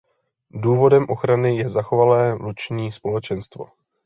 Důvodem ochrany je zachovalé luční společenstvo.